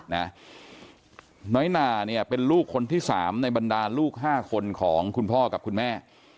น้อยหนาเนี่ยเป็นลูกคนที่สามในบรรดาลูก๕คนของคุณพ่อกับคุณแม่